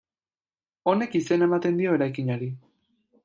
Honek izena ematen dio eraikinari.